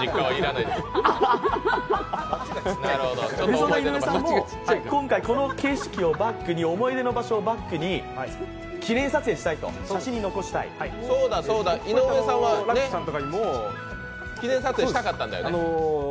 そんな井上さんもこんな思い出の場所をバックに記念撮影したいと、写真に残したい井上さんは記念撮影したかったんだよね？